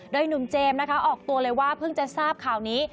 โดยหนุ่มเจมส์นะคะออกตัวเลยว่าเพิ่งจะทราบข่าวนี้